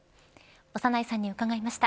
長内さんに伺いました。